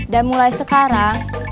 dan mulai sekarang